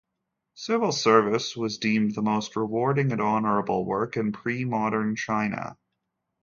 Civil service was deemed the most rewarding and honourable work in pre-modern China.